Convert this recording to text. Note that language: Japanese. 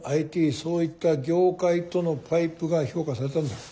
そういった業界とのパイプが評価されたんだろう。